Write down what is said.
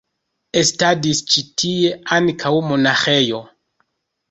Estadis ĉi tie ankaŭ monaĥejo.